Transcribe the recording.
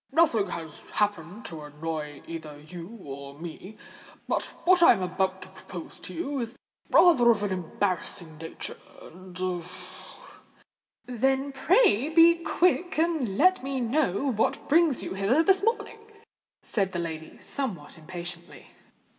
"Nothing has happened to annoy either you or me; but what I am about to propose to you, is rather of an embarrassing nature—and——" "Then pray be quick and let me know what brings you hither this morning," said the lady, somewhat impatiently.